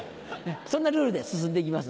そんなルールで進んでいきます